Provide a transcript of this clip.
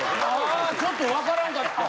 あちょっと分からんかっ。